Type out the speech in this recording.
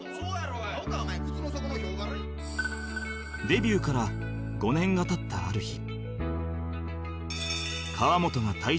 デビューから５年が経ったある日